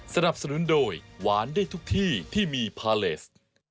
สนับสนุนโดยหวานได้ทุกที่ที่มีพาเลส